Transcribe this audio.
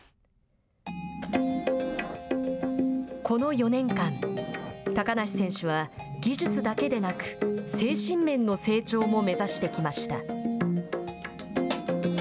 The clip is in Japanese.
この４年間高梨選手は技術だけでなく精神面の成長も目指してきました。